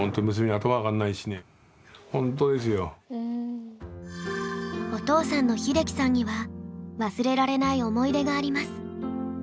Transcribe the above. もうほんとお父さんの秀樹さんには忘れられない思い出があります。